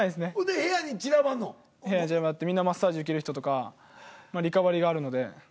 部屋に散らばってみんなマッサージ受ける人とかリカバリーがあるので。